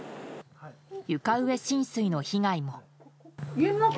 床上浸水の被害も。